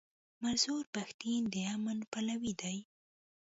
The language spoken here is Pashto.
منظور پښتين د امن پلوی دی.